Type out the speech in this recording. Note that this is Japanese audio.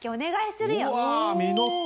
うわあ実った。